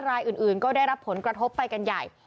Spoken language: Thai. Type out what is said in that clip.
รายอื่นก็ได้รับผลกระทบไปกันใหญ่